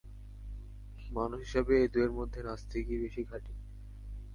মানুষ-হিসাবে এ দুয়ের মধ্যে নাস্তিকই বেশী খাঁটি।